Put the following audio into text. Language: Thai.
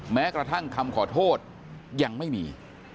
แม้กระทั่งคำขอโทษยังไม่มี